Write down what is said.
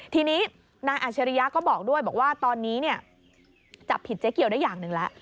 ทีนี้นายอัชริยะก็บอกด้วยบอกว่าตอนนี้จับผิดเจ๊เกียวได้อย่างหนึ่งแล้ว